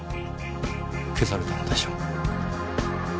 消されたのでしょう。